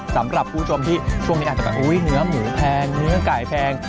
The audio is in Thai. สำหรับผู้ชมที่ช่วงนี้อาจจะแบบเนื้อหมูแพงเนื้อไก่แพง